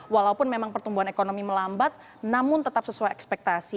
walaupun memang pertumbuhan ekonomi melambat namun tetap sesuai ekspektasi